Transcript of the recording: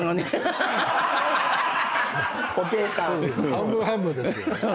半分半分ですけどね。